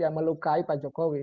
yang melukai pak jokowi